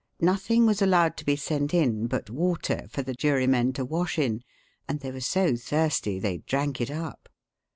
Nothing was allowed to be sent in but water for the jurymen to wash in, and they were so thirsty they drank it up.